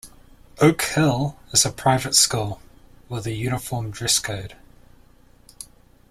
Oak Hill is a private school with a uniform dress code.